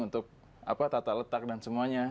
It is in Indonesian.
untuk tata letak dan semuanya